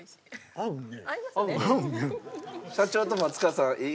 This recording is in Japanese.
「合うね」